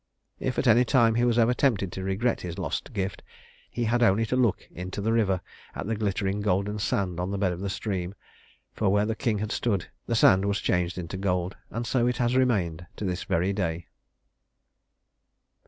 If at any time he was ever tempted to regret his lost gift, he had only to look into the river at the glittering golden sand on the bed of the stream; for where the king had stood, the sand was changed into gold, and so it has remained to this very day.